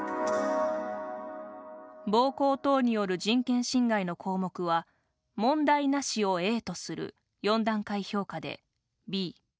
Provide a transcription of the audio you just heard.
暴行等による人権侵害の項目は問題なしを「ａ」とする４段階評価で「ｂ」。